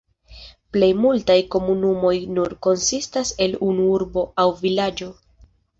Plejmultaj komunumoj nur konsistas el unu urbo aŭ vilaĝo.